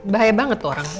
bahaya banget tuh orang